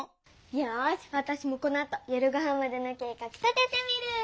よしわたしもこのあと夜ごはんまでの計画立ててみる！